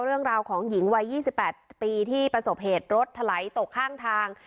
เรื่องราวของหญิงวัย๒๘ปีที่ประสบเหตุรถถลายตกข้างทาง